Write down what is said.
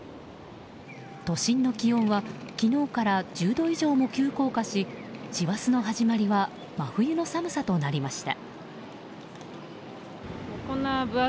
都心の気温は昨日から１０度以上も急降下し師走の始まりは真冬の寒さになりました。